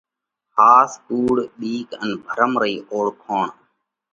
ۿاس ڪُوڙ، ٻِيڪ ان ڀرم رئِي اوۯکوڻ :